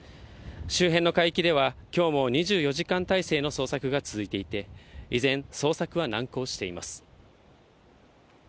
周辺の海域では、きょうも２４時間態勢の捜索が続いていて、依然、捜索は難航しています。